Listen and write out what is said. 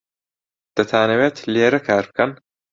دەتانەوێت لێرە کار بکەن؟